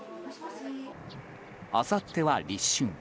あさっては立春。